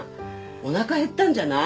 おなか減ったんじゃない？